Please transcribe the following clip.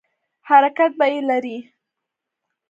حرکت بیه لري